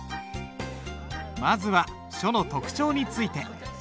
まずは書の特徴について。